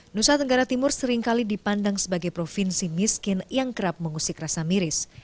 nusa tenggara timur seringkali dipandang sebagai provinsi miskin yang kerap mengusik rasa miris